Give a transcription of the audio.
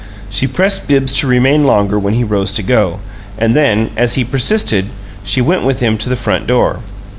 She pressed Bibbs to remain longer when he rose to go, and then, as he persisted, she went with him to the front door.